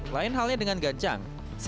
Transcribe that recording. lain halnya dengan ganjang